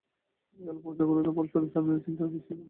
এই অল্প জাগুরূকতার ফলস্বরূপ স্বাধীন চিন্তার কিঞ্চিৎ উন্মেষ।